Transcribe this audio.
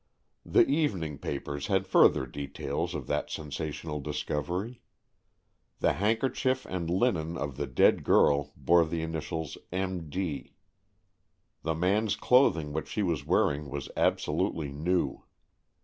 The evening papers had further details of that sensational discovery. The handker chief and linen of the dead girl bore the initials M. D. The man's clothing which she was wearing was absolutely new.